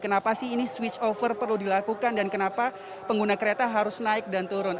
kenapa sih ini switch over perlu dilakukan dan kenapa pengguna kereta harus naik dan turun